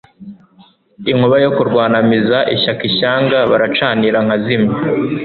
Inkuba yo kurwanamiza ishyaka Ishyanga baracanira nkazimya.